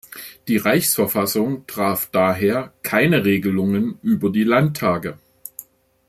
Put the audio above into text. Die Reichsverfassung traf daher keine Regelungen über die Landtage.